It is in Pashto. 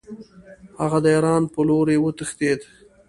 هغه د ایران په لوري وتښتېد.